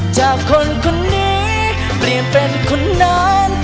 จากคนคนนี้เปลี่ยนเป็นคนนาน